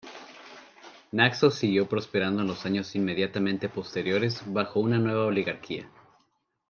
Naxos siguió prosperando en los años inmediatamente posteriores bajo una nueva oligarquía.